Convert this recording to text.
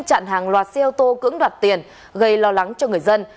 chặn hàng loạt xe ô tô cưỡng đoạt tiền gây lo lắng cho người dân